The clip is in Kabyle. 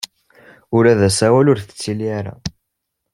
Ula d asawal ur t-tli ara.